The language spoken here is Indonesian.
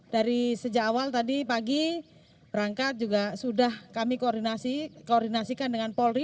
dari sejak awal tadi pagi berangkat juga sudah kami koordinasikan dengan polri